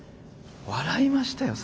笑いましたよ